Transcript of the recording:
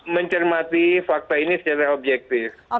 mencermati fakta ini secara objektif